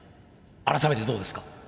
改めてどうですか？